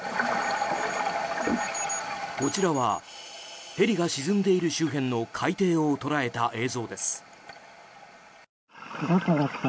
こちらはヘリが沈んでいる周辺の海底を捉えた映像です。